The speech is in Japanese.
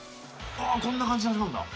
ああこんな感じで始まるんだ。